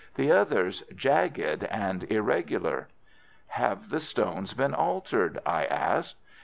The others jagged and irregular. "Have the stones been altered?" I asked.